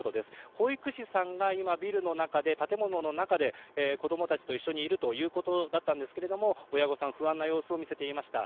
保育士さんが今、建物の中で子供たちと一緒にいるということだったんですが親御さん不安な様子を見せていました。